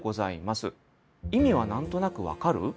意味は何となく分かる？